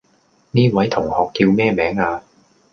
呢位同學叫咩名呀?